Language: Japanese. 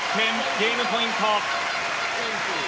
ゲームポイント。